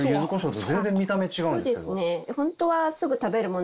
そうですね。